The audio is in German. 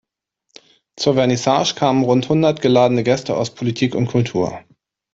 Zur Vernissage kamen rund hundert geladene Gäste aus Politik und Kultur.